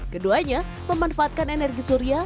keduanya memanfaatkan energi surya